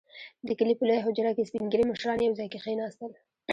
• د کلي په لويه حجره کې سپين ږيري مشران يو ځای کښېناستل.